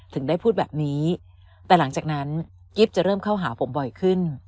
ถึงได้พูดแบบนี้แต่หลังจากนั้นกิ๊บจะเริ่มเข้าหาผมบ่อยขึ้น